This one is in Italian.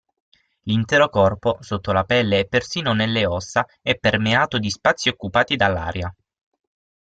L'intero corpo, sotto la pelle e persino nelle ossa è permeato di spazi occupati dall'aria.